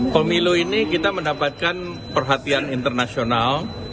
pemilu ini kita mendapatkan perhatian internasional